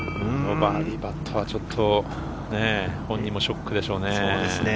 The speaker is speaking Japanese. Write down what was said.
バーディーパットはちょっと本人もショックでしょうね。